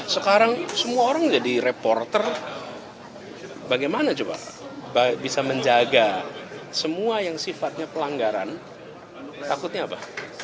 sekarang semua orang jadi reporter bagaimana coba bisa menjaga semua yang sifatnya pelanggaran takutnya apa